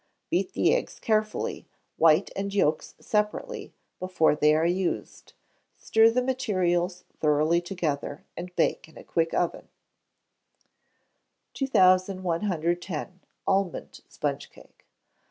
Beat the eggs carefully, white and yolks separately, before they are used. Stir the materials thoroughly together, and bake in a quick oven. 2110. Almond Sponge Cake.